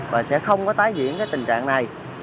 và sẽ không có tái diễn cái tình trạng này